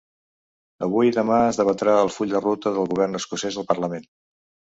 Avui i demà es debatrà el full de ruta del govern escocès al parlament.